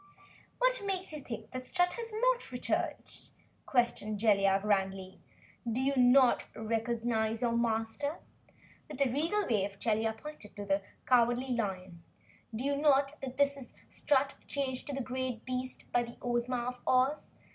"What makes you think Strut has NOT returned!" questioned Jellia, grandly. "Do you not recognize your Master!" With a regal wave, Jellia pointed to the Cowardly Lion. "Do you not believe that this is Strut changed to this great beast by Ozma of Oz?